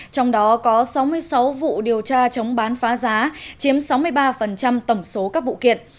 trong đó có sáu mươi sáu vụ điều tra chống bán phá giá chiếm sáu mươi ba tổng số các vụ kiện